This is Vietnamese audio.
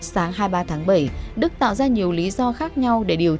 sáng hai mươi ba tháng bảy đức tạo ra nhiều lý do khác nhau để điều trị